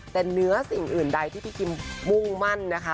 แต่เนื้อสิ่งอื่นใดที่พี่คิมมุ่งมั่นนะคะ